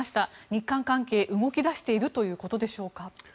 日韓関係、動き出しているということでしょうか。